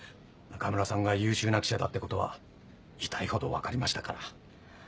中村さんが優秀な記者だってことは痛いほど分かりましたから。